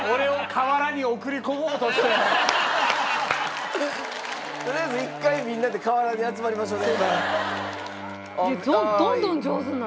とりあえず一回みんなで河原に集まりましょうね。